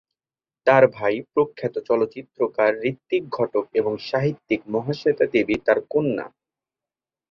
তার ভাই প্রখ্যাত চলচ্চিত্রকার ঋত্বিক ঘটক এবং সাহিত্যিক মহাশ্বেতা দেবী তার কন্যা।